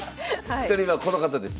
１人目はこの方です。